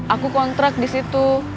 aku kontrak disitu